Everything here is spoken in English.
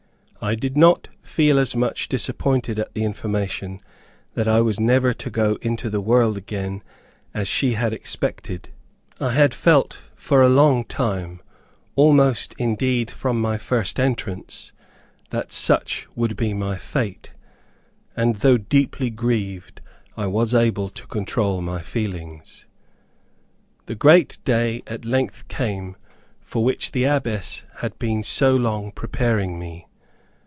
I did not feel as much disappointed at the information that I was never to go into the world again as she had expected. I had felt for a long time, almost, indeed, from my first entrance, that such would be my fate, and though deeply grieved, I was able to control my feelings. The great day at length came for which the Abbess had been so long preparing me.